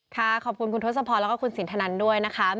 ค่ะขอบคุณคุณทศพและคุณศิรษฐนันตร์ด้วยนะครับ